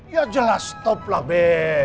ya jelas top lah b